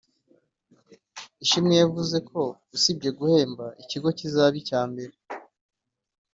Ishimwe yavuze ko usibye guhemba ikigo kizaba icya mbere